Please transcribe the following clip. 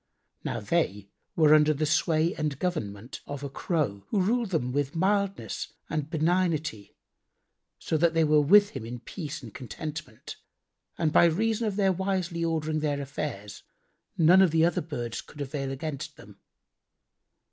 Now they were under the sway and government of a Crow who ruled them with mildness and benignity, so that they were with him in peace and contentment; and by reason of their wisely ordering their affairs, none of the other birds could avail against them.